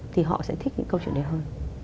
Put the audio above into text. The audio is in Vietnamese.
thì họ sẽ thích những câu chuyện đấy hơn